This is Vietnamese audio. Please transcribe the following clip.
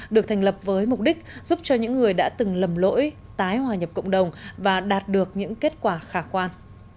được thành lập với mục đích giúp cho những người đã từng lầm lỗi tái hòa nhập cộng đồng và đạt được những kết quả khả quan